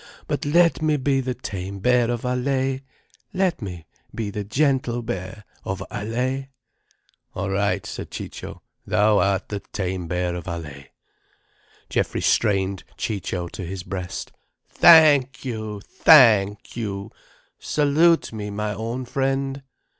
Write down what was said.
But let me be the tame bear of Allaye, let me be the gentle bear of Allaye." "All right," said Ciccio. "Thou art the tame bear of Allaye." Geoffrey strained Ciccio to his breast. "Thank you! Thank you! Salute me, my own friend."